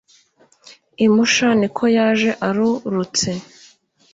i Musha niko yaje arurutse